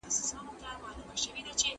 د استاد او شاګرد ترمنځ مزاجي یووالی ضروري دی.